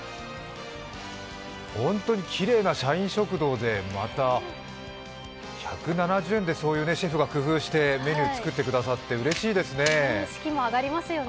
本当にきれいな社員食堂で、また１７０円でシェフが工夫してメニュー作ってくださって、うれしいですよね。